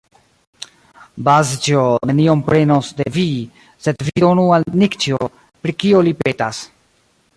Bazĉjo nenion prenos de vi, sed vi donu al Nikĉjo, pri kio li petas.